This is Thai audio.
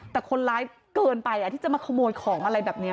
แต่คนร้ายเกินไปที่จะมาขโมยของอะไรแบบนี้